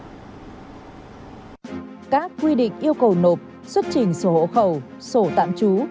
các quy định yêu cầu nộp xuất trình sổ hộ khẩu sổ tạm trú